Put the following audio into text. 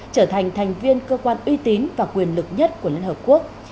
trở thành thành viên cơ quan uy tín và quyền lực nhất của liên hợp quốc